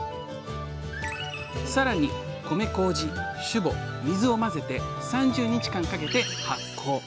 さらに米こうじ酒母水を混ぜて３０日間かけて発酵。